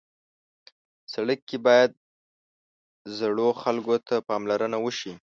سړک کې باید زړو خلکو ته پاملرنه وشي.